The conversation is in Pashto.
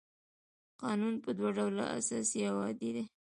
قانون په دوه ډوله اساسي او عادي دی.